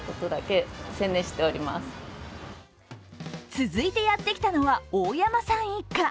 続いてやってきたのは大山さん一家。